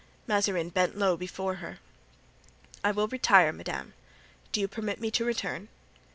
Mazarin bent low before her. "I will retire, madame. Do you permit me to return?"